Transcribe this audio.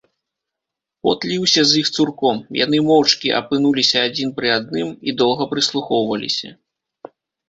Пот ліўся з іх цурком, яны моўчкі апынуліся адзін пры адным і доўга прыслухоўваліся.